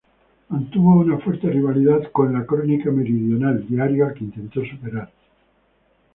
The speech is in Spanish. Mantuvo una fuerte rivalidad con "La Crónica Meridional", diario al que intentó superar.